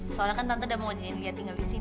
soalnya kan tante udah mau jadi ya tinggal di sini